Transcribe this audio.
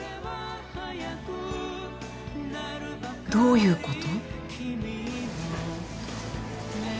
どういうこと？